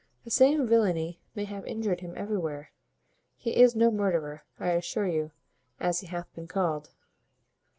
The same villany may have injured him everywhere. He is no murderer, I assure you; as he hath been called."